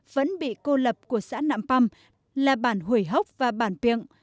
vẫn bị cô lập của xã nạm păm là bàn hủy hốc và bàn piệng